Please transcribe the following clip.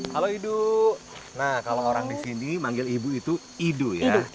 halo ibu nah kalau orang di sini manggil ibu itu idu ya